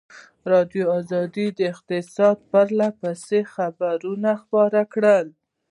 ازادي راډیو د اقتصاد په اړه پرله پسې خبرونه خپاره کړي.